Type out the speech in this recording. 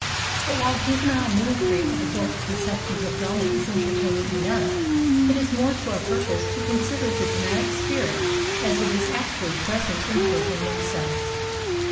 But while juvenile mimicry of adult con ceptions of drama is entertaining enough, it is more to our purpose to consider the dramatic spirit as it is actually present in children themselves.